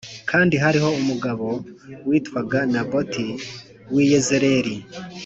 Kandi hariho umugabo witwaga Naboti w’i Yezerēli